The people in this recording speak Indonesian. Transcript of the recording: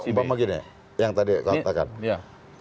umpama gini yang tadi katakan